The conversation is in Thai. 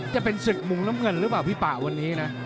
จะเป็นศึกมุมน้ำเงินหรือเปล่าพี่ป่าวันนี้นะ